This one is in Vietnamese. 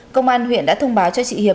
công an huyện đã thông báo cho chị hiệp